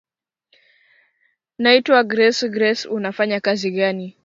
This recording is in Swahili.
naitwa grace grace unafanya kazi gani